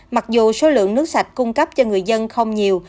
mặc dù số lượng nước sạch cung cấp cho người dân không nhiều